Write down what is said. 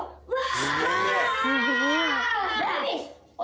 「うわ！」